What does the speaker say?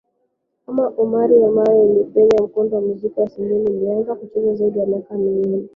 kama Omari Omari uliopenya mkondo wa muziki wa Singeli ulianza kuchezwa zaidi miaka miwili